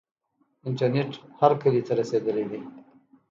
انټرنیټ هر کلي ته رسیدلی دی.